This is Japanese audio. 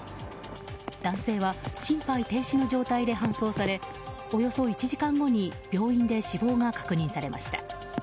男性は心肺停止の状態で搬送されおよそ１時間後に病院で死亡が確認されました。